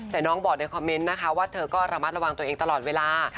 แต่น้องบอกในคอมเมนต์นะคะว่าเธอก็ระมัดระวังตัวเองตลอดเวลา